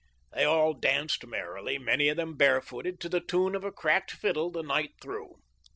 They all danced merrily, many of them barefooted, to the tune of a cracked fiddle the night through.